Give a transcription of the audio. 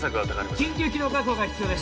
緊急気道確保が必要です